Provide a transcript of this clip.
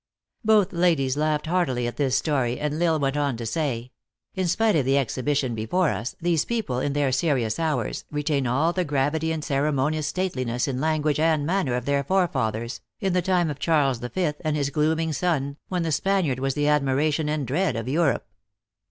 Both ladies laughed heartily at this story, and L Isle went on to say; "In spite of the exhibition before us, these people, in their serious hour^, retain all the grav ity and ceremonious stateliness in language and man ner of their forefathers, in the time of Charles the Fifth and his glooming son, when the Spaniard was the admiration and dread of Europe.